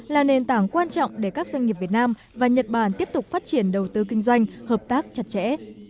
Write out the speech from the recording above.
là nền tảng quan trọng để các doanh nghiệp việt nam và nhật bản tiếp tục phát triển đầu tư kinh doanh hợp tác chặt chẽ